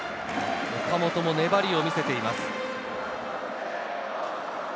岡本も粘りを見せています。